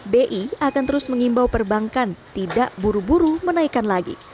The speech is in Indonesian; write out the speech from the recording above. bi akan terus mengimbau perbankan tidak buru buru menaikkan lagi